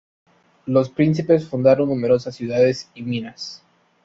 Los príncipes fundaron numerosas ciudades y minas.